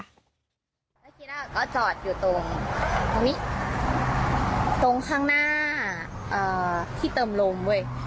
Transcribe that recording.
เมื่อกี้น่ะก็จอดอยู่ตรงตรงนี้ตรงข้างหน้าเอ่อที่เติมลมเว้ย